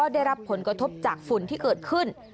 ได้รับผลกระทบจากฝุ่นที่เกิดขึ้น